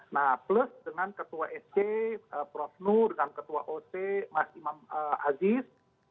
nah plus dengan ketua sc prof nur dengan ketua oc mas imam aziz